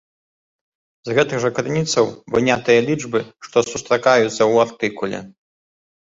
З гэтых жа крыніцаў вынятыя лічбы, што сустракаюцца ў артыкуле.